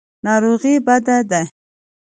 ناروغي بده ده.